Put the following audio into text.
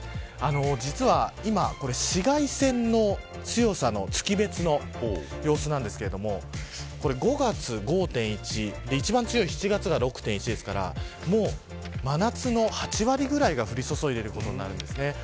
実は今、紫外線の強さの、月別の様子なんですが５月、５．１一番強い７月は６．１ですからもう真夏の８割ぐらいが降り注いでいることになるんですね。